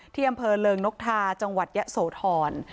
ที่อำเภอเริงนกทาจังหวัดยะโสธร